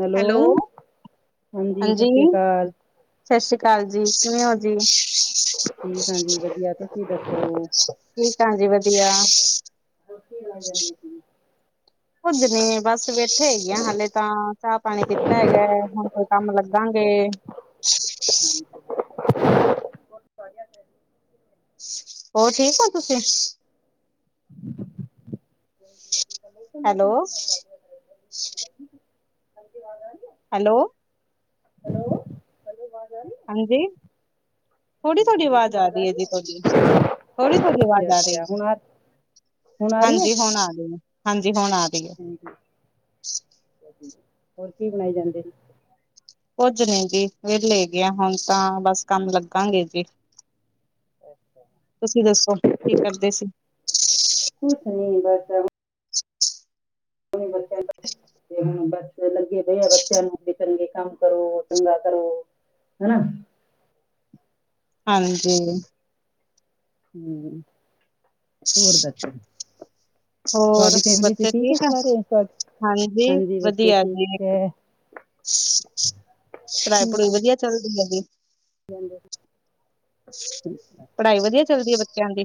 Hello ਸਤਿ ਹਾਂਜੀ ਸ੍ਰੀ ਅਕਾਲ ਸਤਿ ਸ੍ਰੀ ਅਕਾਲ ਜੀ ਕਿਵੇਂ ਹੋ ਜੀ ੀ ਹਾਂਜੀ ਵਧੀਆ ਤੁਸੀਂ ਦੱਸ ਰਹੇ ਹੋ ਠੀਕ ਹਾਂ ਜ ਵਧੀਆ ਬ ਕੀੀ ਆ ਜਾਂਦੀ ਕੁੱਝ ਨੀ ਬਸ ਬੈਠੇ ਹੈਗੇ ਆ ਹਾਲੇ ਤਾਂ ਚਾਹ ਪਾਣੀ ਪਤਾ ਹੈਗਾ ਹੁਣ ਕੋਈ ਕੰਮ ਲੱਗਾਾਂਗੇ ਅੱਛਾ ਹੋਰ ਠੀਕ ਹੋ ਤੁਸੀਂ ਹੈਲੋ ਮੌਸਸ ਹਾਂਜੀ ਹੈਲੋ ਹੈਲੋ ਹੈਲੋ ਮਾਜਨ ਹਾਂਜੀ ਥੋੜੀ ਤੁਹਾਡੀ ਆਵਾਜ਼ ਆ ਰਹੀ ਹੈ ਜੀ ਤੁਹਾਡੀ ਥੋੜੀ ਥਹਾਡੀ ਆਵਾਜ਼ ਆ ਰਹੀ ਅੱਛਾ ਹੈ ਹੁਣ ਆ ਹੁਣ ਆ ਰਹੀ ਹੈ ਹਾਂਜੀ ਹੁਣ ਆ ਗਈ ਏ ਹਾਂਜੀ ਹੁਣ ਆ ਗਈ ਏ। ਹੋਰ ਕੀ ਬਣਾਏ ਜਾਂਦੇ। ਕੁੱਝ ਨਹੀਂ ਜੀ ਵਿਹਲੇ ਹੈਗਾ ਹੁਣ ਤਾਂ ਬਸ ਕੰਮ ਲੱਗਾਂਗੇ ਅੱਗੇ ਤੁਸੀਂ ਦੱਸੋ ਕੀ ਕਰਦੇ ਸੀ। ਕੁਛ ਨੀ ਬਸ ਬੱਚਿਆਂ ਨੂੰ ਹ ਤੇ ਹੁਣ ਬਸ ਲੱਗੇ ਪਏ ਆ ਬੱਚਿਆਂ ਨੂੰ ਵੀ ਚੰਗੇ ਕੰਮ ਕਰੋ ਚੰਗਾ ਕਰੋ ਹੈ ਨਾ ਹਾਂਜੀ ਹਮ ਹੋਰਦਾਤ ਹੋਰ ਬੱਚੇ ਹੈ ਠੀਕ ਆ ਸਾਰੇ ਤੁਹਾਡੇ ਹਾਂਜੀ ਬੱਚੇ ਵਧੀਆ ਜੀ ਠੀਕ ਇੱਕ ਹੈ ਰਾਰਾਏਪੁਰ ਵਧੀਆ ਚੱਲਦੀ ਹੈ ਜੀ ਪੜ੍ਹਾਈ ਵਧੀਆ ਚੱਲਦੀ ਹੈ ਬੱਚਿਆਂ ਦੀ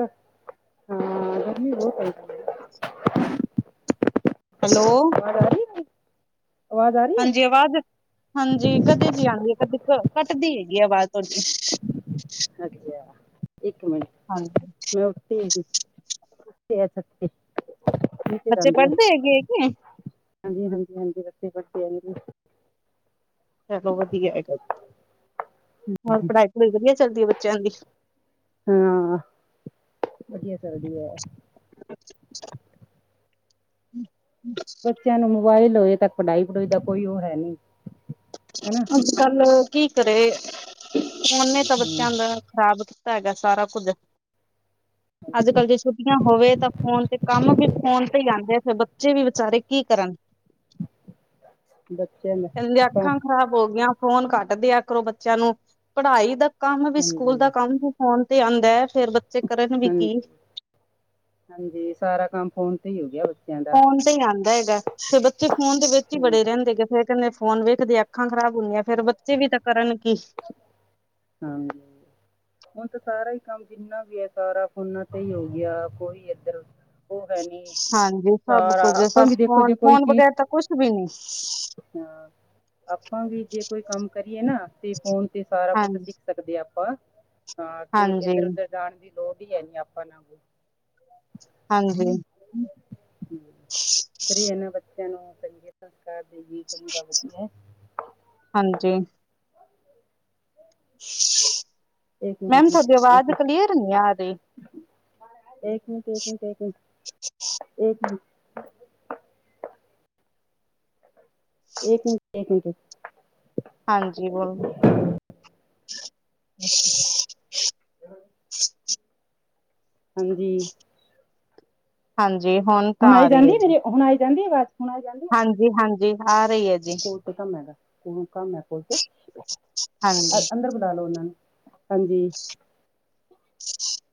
ਹਾਂ ਗਰਮੀ ਬਹੁਤ ਆਈਤ ਹੈਲੋ ਆਵਾਜ਼ ਆ ਰਹੀ ਹੈ ਆਵਾਜ਼ ਆ ਰਹੀ ਹਾਂਜੀ ਹੈ ਆਵਾਜ਼ ਹਾਂਜੀ ਕਦੇ ਜੀ ਆਉਂਦੀ ਹੈ ਕਦੇ ਕੱਟਦੀ ਹੈਗੀ ਆਵਾਜ਼ ਤੁਹਾਡੀ ਅੱਛਾ ਇੱਕ ਮਿੰਟ ਹਾਂਜੀ [unintelligible] ਹਾਂਜੀ- ਬੱਚੇ ਪੜ੍ਹਦੇ ਹੈਗੇ ਹੈਗੇ ਹਾਂਜੀ -ਹਾਂਜੀ [inaudible] ਚਲੋ ਵਧੀਆ ਹੈਗਾ ਜੀ ਹੋਰ ਪੜ੍ਹਾਈ ਪੜ੍ਹਾਈ ਵਧੀਆ ਚੱਲਦੀ। ਚਿਆਂ ਦੀ ਹਾਂ ਵਧੀਆ ਚਲਦੀ ਐ। ਅੱਛਾ ਬੱਚਿਆਂ ਨੂੰ ਮੋਬਾਇਲ ਹੋਏ ਤੱਕ ਪੜ੍ਹਾਈ ਪੜੂਈ ਦਾ ਕੋਈ ਉਹ ਹੈ ਨਹੀਂ। ਹੈਨਾ ਅੱਜ ਕੱਲ ਕੀ ਕਰੇ ਫੋਨ ਨੇ ਤਾਂ ਹਮ, ਬੱਚਿਆਂ ਦਾ ਖ਼ਰਾਬ ਹੈਗਾ ਸਾਰਾ ਕੁੱਝ ਅੱਜ ਕੱਲ੍ਹ ਜੇ ਛੁੱਟੀਆਂ ਹੋਵੇ ਤਾਂ ਫੋਨ ਤੇ ਕੰਮ ਵੀ ਫੋਨ ਤੇ ਹੀ ਆਉਂਦੇ ਫਿਰ ਬੱਚੇ ਵੀ ਵਿਚਾਰੇ ਕੀ ਕਰਨ ਬੱਚਿਆਂ ਦਾਂ ਤਾਂ ਖਰਾਬ ਹੋ ਗਿਆਂ ਫ਼ੋਨ ਘੱਟ ਦਿਆ ਕਰੋ ਬੱਚਿਆਂ ਨੂੰ ਪੜ੍ਹਾਈ ਦਾ ਕੰਮ ਵੀ ਸਕੂਲ ਦਾ ਹਾਂਜੀ ਕੰਮ ਫੋਨ ਤੇ ਆਂਦਾ ਫੇਰ ਬੱਚੇ ਕਰਨ ਵੀ ਹਾਂਜੀ ਕੀ ਹਾਂਜੀ ਸਾਰਾ ਕੰਮ ਫੋਨ ਤੇ ਹੀ ਹੋ ਗਿਆ। ਬੱਚਿਆਂ ਦਾ ਫ਼ੋਨ ਤੇ ਹੀ ਆਂਦਾ ਹੈਗਾ ਫਿਰ ਬੱਚੇ ਫੋਨ ਦੇ ਵਿੱਚ ਹੀ ਹਾਂਜੀ ਵੜੇ ਰਹਿੰਦੇ ਹੈਗੇ ਫਿਰ ਕਹਿਨੇ ਫੋਨ ਵੇਖਦੇ ਅੱਖਾਂ ਖ਼ਰਾਬ ਹੁੰਦੀਆਂ ਫੇਰ ਬੱਚੇ ਵੀ ਤਾਂ ਕਰਨ ਕੀ ਹਾਂਜੀ ਹੁਣ ਤਾਂ ਸਾਰਾ ਹੀ ਕੰਮ ਜਿੰਨਾ ਵੀ ਹੈ ਸਾਰਾ ਫੋਨਾ ਤੇ ਹੀ ਹੋ ਗਿਆ ਕੋਈ ਇੱਧਰ ਉ ਹਾਂਜੀ ਸਭ ਕੁਝ ਆਪਾਂ ਵੀ ਬਸ ਦੇਖੋ ਜੇ ਫੋਨ -ਫੋਨ ਵਗੈਰਾ ਤਾਂ ਕੁਛ ਵੀ ਨਹੀ ਅ ਆਪਾਂ ਵੀ ਜੇ ਕੋਈ ਕੰਮ ਕਰੀਏ ਨਾ ਤੇ ਫੋਨ ਸਾਰਾ ਕੁਛ ਹਾਂਜੀ ਸਿੱਖ ਸਕਦੇ ਹ ਆਪਾਂ ਹਾਂ ਕਿ ਹਾਂਜੀ ਇੱਧਰ- ਉਧਰ ਜਾਣ ਦੀ ਲੋੜ ਹੀ ਹੈ ਨੀ ਆਪਾਂ ਨਾਲ ਕੋ ਹਾਂਜੀ ਫ੍ਰੀ ਇਹਨਾਂ ਬੱਚਿਆਂ ਨੂੰ ਚੰਗੇ ਤਾਂ [inaudible] ਦੇ ਚੰਗਾ ਵਧੀਆ ਹਾਂਜੀ ਇੱਕ ਮੈਮ ਮਿੰਟ ਤੁਹਾਡੀ ਇੱਕ ਆਵਾਜ਼ ਮਿੰਟ ਕਲੀਅਰ ਨੀ ਆ ਰਹੀ। ਇੱਕ ਮਿੰਟ- ਇੱਕ ਮਿੰਟ -ਇੱਕ ਮਿੰਟ -ਇੱਕ ਮਿੰਟ ਇੱਕ ਮਿੰਟ ਇੱਕ ਮਿੰਟ [inaudible] ਹਾਂਜੀ ਬੋਲੋ [inaudible] ਹਾਂਜੀ ਹਾਂਜੀ ਹੁਣ ਤਾਂ ਆ ਆਈ ਰਹੀ ਜਾਂਦੀ ਐ ਹੈ ਜੀ, ਮੇਰੇ ਹੁਣ ਆਈ ਜਾਂਦੀ ਹੈ ਆਵਾਜ਼ ਹੁਣ ਆਈ ਜਾਂਦੀ ਹੈ ਹਾਂਜੀ ਹਾਂਜੀ ਆ ਰਹੀ ਐ। ਕੋਲ ਤੇ ਕੰਮ ਹੈਗਾ ਕੋ ਕੰਮ ਹੈ ਕੋ ਤੇ [unintelligible] ਅ ਹਾਂਜੀ ਅੰਦਰ ਬੁਲਾ ਲੋ ਉਹਨਾਂ ਨੂੰ, ਹਾਂਜੀ।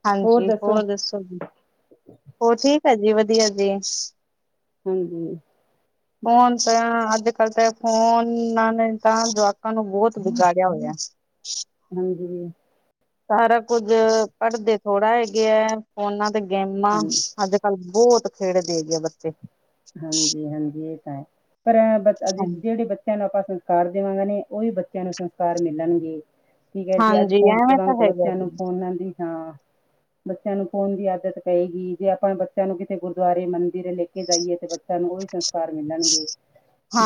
ਹਾਂਜੀ, ਹੋਰ ਦੱਸੋ ਜੀ। ਹੋਰ ਠੀਕ ਐ ਜੀ, ਵਧੀਆ ਜੀ। ਹਂ ਫੋਨ ਤਾਂ ਅੱਜ -ਕਲ ਤੇ ਫੋਨਾਂ ਨੇ ਤਾਂ ਜਵਾਕਾਂ ਨੂੰ ਬਹੁਤ ਵਿਗਾੜਿਆ ਹੋਇਆ। ਹਾਂਜੀ ਸਾਰਾ ਕੁੱਝ ਪੜ੍ਹਦੇ ਥੋੜ੍ਹਾ ਹੈਗੇ ਹੈ ਫੋਨਾਂ ਤੇ ਗੇਮਾਂ ਹਾਂਜੀ ਅੱਜ ਕੱਲ ਬਹੁਤ ਖੇਡ ਦੇਗੇ ਬੱਚੇ ਹਾਂਜੀ -ਹਾਂਜੀ ਇਹ ਤਾਂ ਹੈ ਪਰ ਜਿ ਜਿਹੜੇ ਬੱਚੇ ਬੱਚਿਆਂ ਨੂੰ ਆਪਾਂ ਸੰਸਕਾਰ ਦੇਵਾਂਗੇ ਨੇ ਉਹੀ ਬੱਚਿਆਂ ਨੂੰ ਸੰਸਕਾਰ ਮਿਲਣਗੇ। ਠੀਕ ਹੈ ਜੀ ਅੱਜ ਹਾਂਜੀ ਫੋਨ ਐਵੇਂ ਦੇਵਾਂਗੇ ਤਾਂ ਤ ਹੈਗਾ ਬੱਚਿਆਂ ਨੂੰ ਜੀ ਫੋਨਾ ਦੀ ਹਾਂ। ਬੱਚਿਆਂ ਨੂੰ ਫੋਨ ਦੀ ਆਦਤ ਪਏਗੀ ਜੇ ਆਪਾਂ ਬੱਚਿਆਂ ਨੂੰ ਕਿਤੇ ਗੁਰਦੁਆਰੇ ਮੰਦਿਰ ਲੈ ਕੇ ਜਾਈਏ। ਤੇ ਬੱਚਿਆਂ ਨੂੰ ਉਹੀ ਸੰਸਕਾਰ ਮਿਲਣਗੇ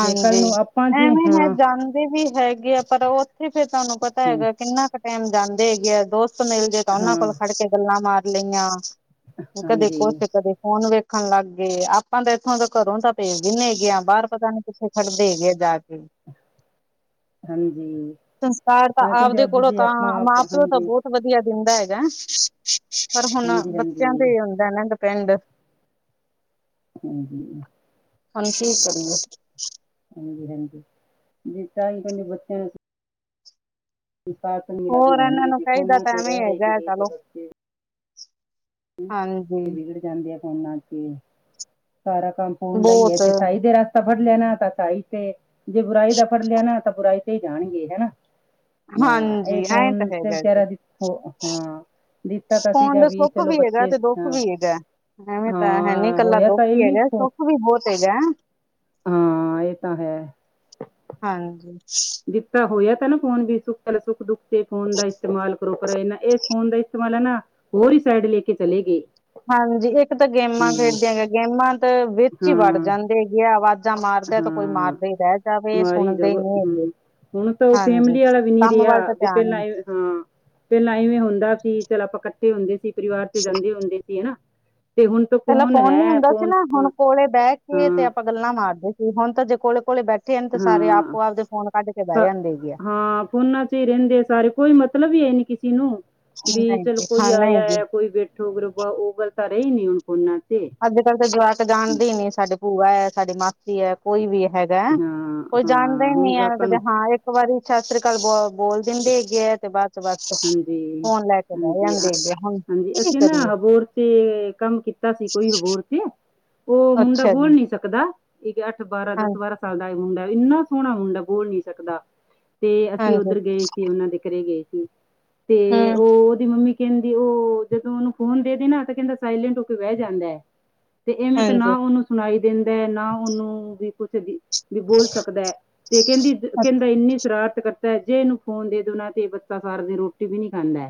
ਜੇ ਕੱਲ ਨੂੰ ਆਪਾਂ ਜੇ ਐਵੇਂ ਹੈ ਹਾਂ। ਜਾਂਦੇ ਵੀ ਹੈਗੇ ਆ ਪਰ ਉੱਥੇ ਫੇਰ ਤੁਹਾਨੂੰ ਪਤਾ ਹਮ, ਹੈਗਾ ਕਿੰਨਾ ਕੁ ਟਾਈਮ ਜਾਂਦੇ ਹੈਗੇ ਆ ਦੋਸਤ ਮਿਲ ਜੇ ਤਾਂ ਉਹਨਾਂ ਕੋਲ ਹਾਂ ਖੜ ਕੇ ਗੱਲਾਂ ਮਾਰ ਲਈਆਂ ਕਦੇ ਹਾਂਜੀ ਕੁਛ ਕਦੇ ਫੋਨ ਵੇਖਣ ਲੱਗ ਗਏ ਆਪਾਂ ਤਾਂ ਇੱਥੋਂ ਦਾ ਘਰੋਂ ਤਾਂ ਪੇ ਜਿੰਨੇ ਹੈਗੇ ਆ ਬਾਹਰ ਪਤਾ ਨੀਂ ਪਿੱਛੇ ਖੜਦੇ ਹੈਗੇ ਆ ਜਾ ਕੇ। ਹਾਂਜੀ ਸੰਸਕਾਰ ਤਾਂ ਕਹਿੰਦੇ ਆਪਦੇ ਅੱਜ ਕੋਲੋਂ ਜੇ ਤਾਂ ਆਪਾਂ ਆਪ- ਮਾਂ ਪਿਓ ਤਾਂ ਹਾਂਜੀ ਬਹੁਤ ਵਧੀਆ ਦਿੰਦਾ ਹੈਗਾ, ਪਰ ਹੁਣ ਹਾਂਜੀ ਬੱਚਿਆਂ ਹਾਂਜੀ ਦੇ ਹੁੰਦਾ ਨਾਂ ਡੇਪੇਂਡ ਹ ਹਂ ਹੁਣ ਕੀ ਕਰੀਏ? ਹਾਂਜੀ ਹਾਂਜੀ, ਜੇ ਤਾਂ ਹੀ ਕਹਿੰਦੇ ਬੱਚਿਆਂ ਨੂੰ [unintelligible] ਵੀ ਹੋਰ ਇਹਨਾਂ ਹੋਣਗੀਆਂ ਨੂੰ ਜੇ ਚਾਹੀਦਾ ਫੋਨਾਂ ਤਾਂ ਤੇ ਐਵੇਂ ਰਹਿ ਰਹਿ ਕੇ ਹੈਗਾ ਗਏ ਤੇ ਚਲੋ ਬੱਚੇ ਹਾਂਜੀ ਤੇ ਵਿਗੜ ਜਾਂਦੇ ਆ ਫੋਨਾਂ ਤੇ ਸਾਰਾ ਕੰਮ ਫੋਨ ਦਾ ਈ ਏ, ਬਹੁਤ ਜੇ ਅਛਾਈ ਦੇ ਰਸਤਾ ਫੜ ਲਿਆ ਨਾਂ ਤਾਂ ਸਹੀ ਤੇ, ਜੇ ਬੁਰਾਈ ਦਾ ਫੜ ਲਿਆ ਨਾਂ ਤਾਂ ਬੁਰਾਈ ਜਾਣਗੇ ਹਨਾਂ! ਹਾਂ ਹਾਂਜੀ ਇਹ ਐਂ ਤਾਂ ਫੁਨ ਤੇ ਹੈਗਾ ਜੀ ਵਿਚਾਰਾ ਹਾਂ ਦਿੱਤਾ ਤਾਂ ਫੋਨ ਸੀਗਾ ਦਾ ਵੀ ਸੁੱਖ ਚਲੋ ਹੈਗਾ ਬੱਚੇ ਤੇ ਦੁੱਖ ਹਾਂ, ਵੀ ਹੈਗਾ ਐਵੇਂ ਤਾਂ ਹੈ ਨੀ ਹਾਂ ਇਕੱਲਾ ਹੋਇਆ ਦੁੱਖ ਤਾਂ ਇਹ ਹੀ ਵੀ ਨੀਂ ਹੈਗਾ ਫੋ ਸੁੱਖ ਵੀ ਬਹੁਤ ਹੈਗਾ। ਹਾਂ ਇਹ ਤਾਂ ਹੈ। ਹਾਂਜੀ। ਦਿੱਤਾ ਹੋਇਆ ਤਾਂ ਨਾ ਫੋਨ ਵੀ ਸੁੱਖ ਵੇਲੇ ਸੁੱਖ ਦੁੱਖ ਤੇ ਫੋਨ ਦਾ ਇਸਤੇਮਾਲ ਰੁਕ ਰਏ ਨਾਂ, ਇਹ ਫੋਨ ਦਾ ਇਸਤੇਮਾਲ ਐਨਾਂ ਹੋਰ ਹੀ ਸਾਈਡ ਲੈ ਕੇ ਚਲੇ ਗਏ। ਹਾਂਜੀ ਇੱਕ ਤਾਂ ਗੇਮਾਂ ਹੂੰ ਖੇਡਦੀਆਂਗੇ, ਗੇਮਾਂ ਤੇ ਵਿੱਚ ਹੀ ਵੜ ਹਾਂ ਜਾਂਦੇ ਹੈਗੇ ਆ। ਆਵਾਜ਼ਾਂ ਮਾਰ ਹਾਂ, ਮਾਰੀ ਹੀ ਜਾਵੋ ਨਹੀਂ ਹਂ। ਹੈਗੇ ਹੁਣ ਤਾਂ ਉਹ ਹਾਂਜੀ ਫੈਮਿਲੀ ਵਾਲਾ ਵੀ ਨਈਂ ਕੰਮ ਰਿਆ ਵੱਲ ਤਾਂ ਵੀ ਧਿਆਨ ਪਹਿਲਾਂ ਨੀ ਇ ਹਾਂ, ਪਹਿਲਾਂ ਇਵੇਂ ਹੁੰਦਾ ਸੀ ਚੱਲ ਆਪਾਂ ਕੱਠ ਠੇ ਹੁੰਦੇ ਸੀ, ਪਰਿਵਾਰ ਤੇ ਜਾਂਦੇ ਹੁੰਦੇ ਸੀ ਹਨਾਂ! ਪਹਿਲਾਂ ਫੋਨ ਨੀਂ ਹੁੰਦਾ ਸੀ ਨਾਂ ਹੁਣ ਕੋਲੇ ਬਹਿ ਕੇ ਤੇ ਹਾਂ ਆਪਾਂ ਗੱਲਾਂ ਮਾਰਦੇ ਸੀ ਹੁਣ ਤਾਂ ਜੇ ਕੋਲੇ ਕੋਲੇ ਬੈਠੇ ਨੇਂ ਤੇ, ਸਾਰੇ ਹਾਂ ਆਪੋ ਆਪ ਦੇ ਫੋਨ ਕੱਢ ਕੇ ਬਹਿ ਜਾਂਦੇ ਹੇਗੇ ਆ। ਫੋਨਾ ਚ ਹੀ ਰਹਿੰਦੇ ਸਾਰੇ ਕੋਈ ਮਤਲਬ ਈ ਹੈ ਨੀਂ ਕਿਸੇ ਨੂੰ। ਵੀ ਨਹੀਂ ਚਲ ਜੀ ਕੋਈ ਹਾਂ ਆਇਆ ਨਹੀਂ ਜੀ ਆ ਕੋਈ ਬੈਠੋ ਗਰਬਾ ਉਹ ਗੱਲ ਤਾਂ ਰਹੀ ਨੀਂ ਹੁਣ ਫੋਨਾਂ ਤੇ ਅੱਜ-ਕੱਲ੍ਹ ਤਾਂ ਜਵਾਕ ਜਾਣਦੇ ਹੀ ਨੀਂ, ਸਾਡੇ ਭੂਆ ਹੈ ਸਾਡੇ ਮਾ ਸੀ ਐ, ਕੋਈ ਵੀ ਹੈਗਾ ਹਾਂ ਕੋਈ ਜਾਣਦਾ ਹਾਂ ਹੀ ਹੁਣ ਨੀਂ ਹੈ ਜਵਾਕਾਂ ਕਦੇ ਨੂੰ ਹਾਂ ਇੱਕ ਵਾਰੀ ਸ਼ਾਸਤ੍ਰੀ ਅਕਾਲ ਬ ਬੋਲ ਦਿੰਦੇ ਹੈਗੇ ਆ ਤੇ ਬੱਸ ਤੇ ਬੱਸ ਹਾਂਜੀ ਫੋਨ ਲੈ ਕੇ ਬਹਿ ਹਾਂਜੀ ਜਾਂਣਗੇ ਹੁਣ ਹਾਂਜੀ ਕਿ ਅਸੀਂ ਨਾ ਕਰੀਏ? ਹਬੋਰ ਤੇ ਕੰਮ ਕੀਤਾ ਸੀ ਕੋਈ ਹੋਰ ਤੇ ਉਹ ਮੁੰਡਾ ਅੱਛਾ ਜੀ ਫੋਨ ਨੀਂ ਸਕਦਾ। ਇਹ ਅੱਠ-ਬਾਰਾਂ ਹਾਂ ਦਸ-ਬਾਰਾਂ ਸਾਲ ਦਾ ਇਹ ਮੁੰਡਾ ਇੰਨਾਂ ਸੋਹਣਾ ਮੁੰਡਾ ਬੋਲ ਨੀ ਸਕਦਾ। ਤੇ ਅਸੀਂ ਹਾਂਜੀ ਉੱਧਰ ਗਏ ਸੀ, ਉਹਨਾਂ ਦੇ ਘਰੇ ਗਏ ਸੀ ਤੇ ਹੂੰ ਉਹ ਉਹਦੀ ਮੰਮੀ ਕਹਿੰਦੀ ਉਹ ਜਦੋਂ ਉਹਨੂੰ ਫੋਨ ਦੇ ਨਾ ਤਾਂ ਕਹਿੰਦਾ ਸਾਇਲੈਂਟ ਹੋ ਕੇ ਬਹਿ ਜਾਂਦਾ ਹੈ ਤੇ ਇਵੇਂ ਤਾਂ ਹਾਂਜੀ ਨਾ ਉਹਨੂੰ ਸੁਣਾਈ ਦਿੰਦਾ ਨਾ ਉਹਨੂੰ ਵੀ ਕੁੱਛ ਵੀ ਬੋਲ ਸਕਦਾ ਹੈ ਤੇ ਕਹਿੰਦੀ ਕਹਿੰਦਾ ਇੰਨੀ ਸ਼ਰਾਰਤ ਕਰਦਾ ਤੇ ਜੇ ਇਹਨੂੰ ਫੋਨ ਦੇ ਦੇਣਾ ਤੇ ਬੱਚਾ ਸਾਰ ਦਿਨ ਰੋਟੀ ਵੀ ਨੀ ਖਾਂਦਾ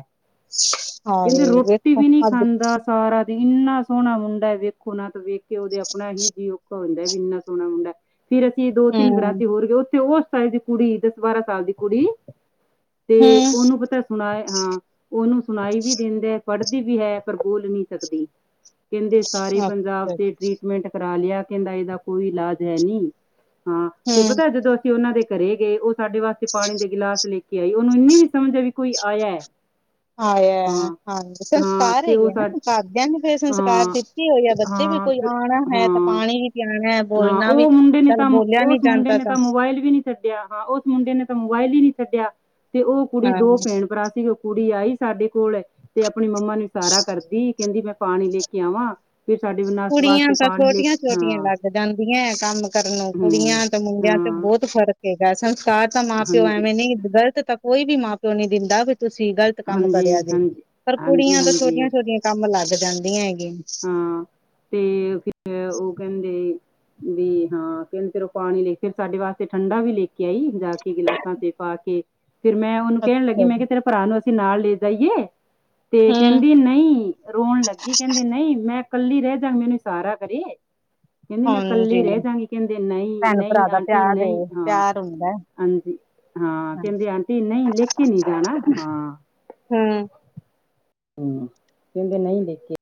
ਅੱਛਾ ਕਹਿੰਦੇ ਹਾਏ ਰੋਟੀ ਵੇਖੋ ਵੀ ਨਹੀਂ ਅੱਜ ਖਾਂਦਾ ਸਾਰਾ ਦੀ ਇੰਨਾ ਸੋਹਣਾ ਮੁੰਡਾ ਐ, ਵੇਖੋ ਨਾਂ ਤੇ ਵੇਖ ਕੇ ਉਹਦੇ ਆਪਣਾ ਹੀ ਜੀ ਔਖਾ ਹੁੰਦਾ ਵੀ ਇੰਨਾਂ ਸੋਹਣਾ ਮੁੰਡਾ। ਫਿਰ ਅਸੀਂ ਦੋ ਹੂੰ ਤਿੰਨ ਰਾਤੀ ਹੋਰ ਗਏ ਉੱਥੇ ਉਸ ਸਾਲ ਦੀ ਕੁੜੀ ਦਸ ਬਾਰਾਂ ਸਾਲ ਦੀ ਕੁੜੀ ਤੇ ਹੂੰ ਉਹਨੂੰ ਪਤਾ ਸੁਣਾਏ ਹਾਂ। ਉਹਨੂੰ ਸੁਣਾਈ ਵੀ ਦਿੰਦਾ ਪੜ੍ਹਦੀ ਵੀ ਹੈ ਪਰ ਬੋਲ ਨੀਂ ਸਕਦੀ। ਕਹਿੰਦੇ ਸਾਰੇ ਅੱਛਾ ਪੰਜਾਬ ਤੇ ਜੀ ਟ੍ਰੀਟ ਮਿਟ ਕਰਾ ਲਿਆ ਕਹਿੰਦਾ ਇਹਦਾ ਕੋਈ ਇਲਾਜ ਹੈ ਨੀਂ ਹਾਂ, ਤੇ ਹੂੰ ਪਤਾ ਜਦੋਂ ਅਸੀਂ ਉਹਨਾਂ ਦੇ ਘਰੇ ਗਏ ਉਹ ਸਾਡੇ ਵਾਸਤੇ ਪਾਣੀ ਦੇ ਗਿਲਾਸ ਲੈ ਕੇ ਆਈ, ਉਹਨੂੰ ਇੰਨੀਂ ਸਮਝ ਆ ਵੀ ਕੋਈ ਆਇਆ। ਹਾਂ ਉਹ ਹੈ ਹਾਂ ਹਾਂ ਸੰਸਕਾਰ ਤੇ ਉਹ ਹੈਗੇ ਨਾਂ ਸਾ- ਘਰ ਦਿਆਂ ਨੂੰ ਸੰਨਸ ਕਾਰ ਹਾਂ ਤੇ ਕੀ ਹੋ ਗਿਆ ਤੇ- ਬੱਚੇ ਵੀ ਹਾਂ ਕੋਈ ਤੇ- ਆਉਣਾ ਹੈ, ਤਾਂ ਹਾਂ ਪਾਣੀ ਵੀ ਪਿਆਉਣਾ ਹੈ, ਹਾਂ ਬੋਲਣਾ ਵੀ ਉਹ ਮੁੰਡੇ ਨੇ ਚੱਲ ਤਾਂ ਬੋਲਿਆ ਉਸ ਨੀਂ ਮੁੰਡੇ ਨੇ ਤਾਂ ਮੋਬਾਇਲ ਵੀ ਨੀਂ ਛੱਡਿਆ ਹਾਂ ਉਸ ਮੁੰਡੇ ਨੇ ਤਾਂ ਮੋਬਾਇਲ ਹੀ ਨੀਂ ਛੱਡਿਆ ਤੇ ਉਹ ਕੁੜੀ ਹਾਂ ਦੋ ਭੈਣ ਭਰਾ ਸੀਗੇ। ਕੁੜੀ ਆਈ ਸਾਡੇ ਕੋਲ ਤੇ ਆਪਣੀ ਮੰਮਾ ਨੂੰ ਇਸ਼ਾਰਾ ਕਰਦੀ ਕਹਿੰਦੀ ਮੈਂ ਪਾਣੀ ਲੈਕੇ ਆਵਾਂ ਫਿਰ ਸਾਡੇ ਬਨਾਸ ਕੁੜੀਆਂ ਵਾਸਤੇ ਤਾਂ ਪਾਣੀ ਲੈ ਛੋਟੀਆਂ ਛੋਟੀਆਂ ਹਾਂ ਲੱਗ ਜਾਂਦੀਆਂ ਕੰਮ ਕਰਨ ਨੂੰ ਹੂੰ ਕੁੜੀਆਂ ਤੇ ਮੁੰਡਿਆਂ ਚ ਹਾਂ ਬਹੁੱਤ ਫ਼ਰਕ ਸੰਸਕਾਰ ਤਾਂ ਮਾਂ ਪਿਓ ਹਾਂਜੀ ਐਵੇਂ ਨੀ ਗਲਤ ਤਾਂ ਕੋਈ ਵੀ ਮਾਂ ਪਿਓ ਨੀ ਦਿੰਦਾ ਵੀ ਤੁਸੀਂ ਗਲਤ ਕੰਮ ਕਰਿਆ ਹਾਂਜੀ ਜੇ ਹਾਂਜੀ ਪਰ ਹਾਂਜੀ ਕੁੜੀਆਂ ਤਾਂ ਛੋਟੀਆਂ ਹਾਂਜੀ ਛੋਟੀਆਂ ਕੰਮ ਲੱਗ ਜਾਂਦੀਆਂ ਹੈਗੀਆਂ ਹਾਂ ਤੇ ਫਿਰ ਉਹ ਕਹਿੰਦੇ ਵੀ ਹਾਂ ਕਹਿੰਦੇ ਫਿਰ ਉਹ ਪਾਣੀ ਲੈ ਕੇ ਫਿਰ ਸਾਡੇ ਵਾਸਤੇ ਠੰਡਾ ਵੀ ਲੈਕੇ ਤੇ ਗਈ ਜਾ ਕੇ ਗਿਲਾਸਾਂ ਤੇ ਪਾ ਕੇ ਫਿਰ ਮੈਂ ਉਹਨੂੰ ਕਹਿਣ ਲੱਗੀ ਅੱਛਾ ਮੈਂ ਜੀ ਕਿਹਾ ਤੇਰਾ ਭਰਾ ਨੂੰ ਅਸੀਂ ਨਾਲ ਲੈ ਜਾਈਏ ਤੇ ਹੂੰ ਕਹਿੰਦੀ ਨਹੀਂ ਰੋਣ ਲੱਗੀ ਕਹਿੰਦੀ ਨਹੀਂ ਮੈਂ ਕੱਲੀ ਰਹਿ ਜਾਂ ਮੈਨੂੰ ਸਹਾਰਾ ਕਰਇਆ ਕਹਿੰਦੀ ਮੈਂ ਕੱਲੀ ਹਾਂਜੀ ਰਹਿ ਜਾਂਗੀ ਕਹਿੰਦੇ ਨਹੀਂ ਭੈਣ ਨਹੀਂ ਭਰਾ ਦਾ ਆਂਟੀ ਪਿਆਰ ਏ ਨਹੀਂ ਹਾਂ ਪਿਆਰ ਹੁੰਦਾ ਹੈ। ਹਾਂਜੀ ਹਾਂ ਕਹਿੰਦੇ ਆਂਟੀ ਨਹੀਂ ਲੈਕੇ ਨਹੀਂ ਜਾਣਾ ਹਾਂ ਹਾਂ ਹਮ ਕਹਿੰਦਾ ਨਹੀਂ ਦੇਖੇ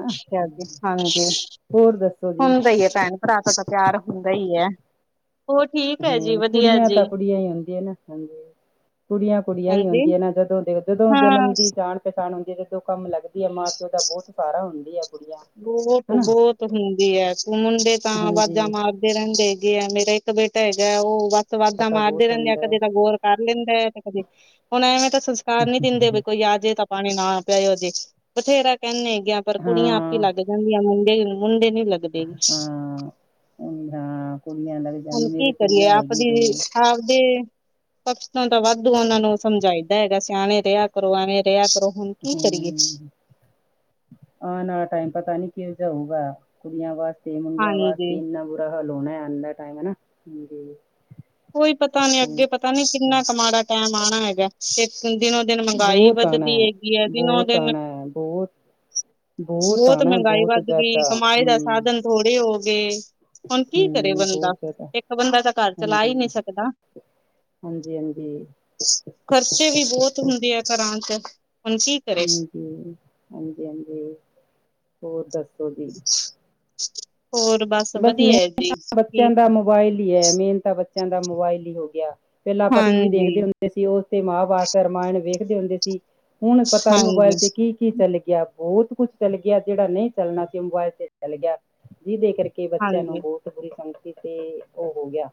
ਅੱਛਾ ਜੀ ਹਾਂਜੀ ਹੋਰ ਦੱਸੋ ਜੀ ਹੁੰਦਾ ਹੀ ਹੈ ਭੈਣ ਭਰਾ ਤਾਂ ਪਿਆਰ ਹੁੰਦਾ ਹੀ ਹੈ ਹੋਰ ਠੀਕ ਹੈ ਜੀ ਹਮ ਵਧੀਆ ਕੁੜੀਆਂ ਤਾਂ ਜੀ ਕੁੜੀਆਂ ਹੀ ਹੁੰਦੀਆਂ ਨੇ ਹਾਂਜੀ ਕੁੜੀਆਂ ਕੁੜੀਆਂ ਹੀ ਹਾਂਜੀ ਹੁੰਦੀਆਂ ਨਾ ਜਦੋਂ ਦੇ ਜਦੋਂ ਜਨਮ ਹਾਂ ਦੀ ਜਾਣ ਕਿਸਾਨ ਹੁੰਦੀ ਹੈ ਜਦੋਂ ਕੰਮ ਲੱਗਦੀ ਆ ਮਾਂ ਪਿਓ ਦਾ ਬਹੁੱਤ ਸਾਰਾ ਹੁੰਦੀ ਹੈ ਕੁੜੀਆਂ ਬਹੁੱਤ ਹਨਾ ਬਹੁੱਤ ਹੁੰਦੀ ਹੈ ਤ ਮੁੰਡੇ ਤਾਂ ਆਵਾਜ਼ਾਂ ਹਾਂਜੀ ਮਾਰ ਰਹਿੰਦੇ ਹੈਗੇ ਆ ਮੇਰਾ ਇੱਕ ਬੇਟਾ ਹੈਗਾ ਉਹਦਾ ਸਵਾਦਾਂ ਪਤਾ ਮਾਰਦੇ ਬਹੁਤ ਰਹਿੰਦੇ ਆ ਹੁੰਦਾ ਕਦੇ ਹੈ ਤਾਂ ਗੋੌਰ ਕਰ ਲੈਂਦਾ ਹੈ ਤੇ ਕਦੇ ਹੁਣ ਐਵੇਂ ਤਾਂ ਸੰਸਕਾਰ ਨਹੀਂ ਦਿੰਦੇ ਕੋਈ ਆਜੇ ਤਾਂ ਪਾਣੀ ਨਾ ਪਿਆਇਆ ਜੇ ਬਥੇਰਾ ਕਹਿੰਦੇ ਪਰ ਕੁੜੀਆਂ ਆਪ ਹੀ ਹਾਂ ਲੱਗ ਜਾਂਦੀਆਂ ਮੁੰਡੇ ਮੁੰਡੇ ਨੀ ਲੱਗਦੇ ਹਾਂ ਹਾਂ ਕੁੜੀਆਂ ਦਾ ਵੀ ਹੁਣ ਕੀ ਕਰੀਏ ਆਪਦੀ ਆਪਦੇ ਪਕਸ਼ ਤਾਂ ਵਾਧੂ ਉਹਨਾਂ ਨੂੰ ਸਮਝਾਈਦਾ ਹੈਗਾ ਸਿਆਣੇ ਰਿਹਾ ਕਰੋ ਐਵੇਂ ਰਿਹਾ ਕਰੋ ਹੁਣ ਕੀ ਕਰੀਏ ਆ ਨਾ ਟਾਈਮ ਪਤਾ ਨੀ ਕਿ ਜਾਊਗਾ ਕੁੜੀਆਂ ਵਾਸਤੇ ਮੁੰਡਿਆਂ ਹਾਂਜੀ ਵਾਸਤੇ ਇੰਨਾ ਲੋਣਾ ਆ ਦਾ ਟਾਈਮ ਹਨਾ ਕੋਈ ਪਤਾ ਨੀ ਅੱਗੇ ਪਤਾ ਨੀ ਕਿੰਨਾ ਕੁ ਮਾੜਾ ਟੈਮ ਆਉਣਾ ਹੈਗਾ ਤੇ ਦਿਨੋ ਦਿਨ ਮਹਿੰਗਾਈ ਬਹੁਤ ਆਉਣਾ ਵੱਧਦੀ ਹੈਗੀ ਹੈ ਜਨੋ ਬਹੁਤ ਦਿਨ ਆਉਣਾ ਹੈ ਬਹੁਤ ਬਹੁਤ ਆਣਾ ਮਹਿੰਗਾਈ ਬਹੁਤ ਵੱਧ ਗਈ ਜ਼ਿਆਦਾ ਕਮਾਈ ਦਾ ਹੂੰ ਸਾਧਨ ਥੋੜੇ ਹੋ ਗਏ ਹੁਣ ਕੀ ਕਰੇ ਹੂੰ ਬੰਦਾ ਬਹੁਤ ਜ਼ਿਆਦਾ ਇੱਕ ਬੰਦਾ ਤਾਂ ਕਰਰ ਆ ਹਾਂਜੀ ਹੀ ਨਹੀਂ ਸਕਦਾ ਹਾਂਜੀ ਹਾਂਜੀ ਖ਼ਰਚੇ ਵੀ ਬਹੁਤ ਹੁੰਦੇ ਆ ਘਰਾਂ ਚ ਹੁਣ ਕੀ ਕਰੇ ਹਾਂਜੀ ਹਾਂਜੀ ਹਾਂਜੀ ਹੋਰ ਦੱਸੋ ਜੀ ਹੋਰ ਬਸ ਮੈਂ ਵਧੀਆ ਜੀ ਤਾਂ ਬੱਚਿਆਂ ਠੀਕ ਦਾ ਮੋਬਾਇਲ ਹੀ ਹੈ ਮੇਨ ਤਾਂ ਬੱਚਿਆਂ ਦਾ ਮੋਬਾਇਲ ਹੀ ਹੋ ਗਿਆ ਪਹਿਲਾਂ ਆਪਾਂ ਟੀ ਵੀ ਹਾਂਜੀ ਦੇਖਦੇ ਹੁੰ ਸੀ ਉਸ ਤੇ ਮਾਂ ਵਸ ਰਾਮਾਇਣ ਵੇਖਦੇ ਹੁੰਦੇ ਸੀ ਹੁਣ ਪਤਾ ਮੋਬਾਇਲ ਹਾਂਜੀ ਤੇ ਕੀ ਕੀ ਚੱਲ ਗਿਆ ਬਹੁਤ ਕੁਛ ਚੱਲ ਗਿਆ ਜਿਹੜਾ ਨਹੀਂ ਚੱਲਣਾ ਸੀ ਮੋਬਾਇਲ ਤੇ ਚੱਲ ਗਿਆ ਜਿਹਦੇ ਕਰਕੇ ਕੇ ਬੱਚਿਆਂ ਹਾਂਜੀ ਨੂੰ ਬਹੁਤ ਬੁਰੀ ਸੰਗਤੀ ਤੇ ਉਹ ਹੋ ਗਿਆ